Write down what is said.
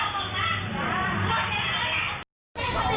ขอบคุณครับ